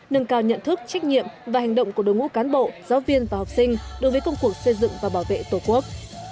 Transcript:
nâng cao nhận thức trách nhiệm và hành động của đối ngũ cán bộ giáo viên và học sinh đối với công cuộc xây dựng và bảo vệ tổ quốc